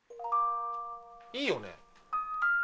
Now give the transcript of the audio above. いいよね？